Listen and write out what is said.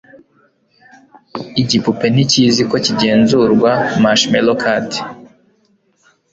Igipupe ntikizi ko kigenzurwa marshmallowcat